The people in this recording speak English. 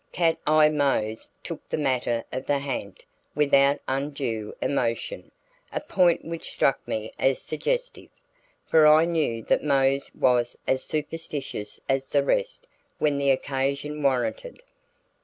Cat Eye Mose took the matter of the ha'nt without undue emotion, a point which struck me as suggestive, for I knew that Mose was as superstitious as the rest when the occasion warranted.